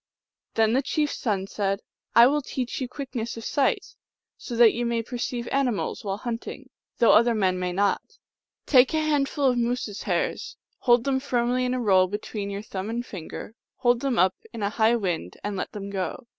Then the chief s son said, " I will teach you quick ness of sight, so that you may perceive animals while hunting, though other men may not. Take a hand ful of moose s hairs ; hold them firmly in a roll be tween your thumb and finger ; hold them up in a high wind and let them go.